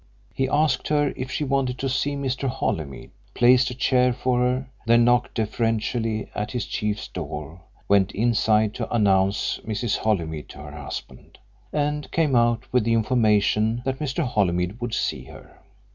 He asked her if she wanted to see Mr. Holymead, placed a chair for her, then knocked deferentially at his chief's door, went inside to announce Mrs. Holymead to her husband, and came out with the information that Mr. Holymead would see her.